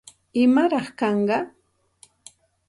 ¿Imaraq kanqa?